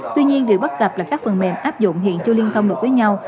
tuy nhiên điều bất cập là các phần mềm áp dụng hiện chưa liên thông được với nhau